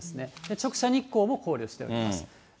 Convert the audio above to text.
直射日光も考慮しております。